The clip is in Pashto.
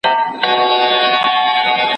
ټول انسانان د آدم او حوا اولادونه دي.